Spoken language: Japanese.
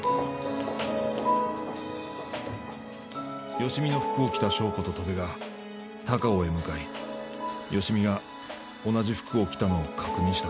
芳美の服を着た翔子と戸辺が高尾へ向かい芳美が同じ服を着たのを確認した